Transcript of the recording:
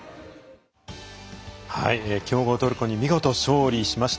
強豪トルコに見事勝利しました。